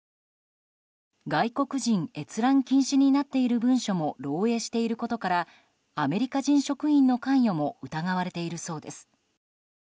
外国人閲覧禁止になっている文書も漏洩していることからアメリカ人職員の関与も疑われているそうです。